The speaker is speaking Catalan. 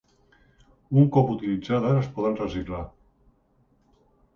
Un cop utilitzades es poden reciclar.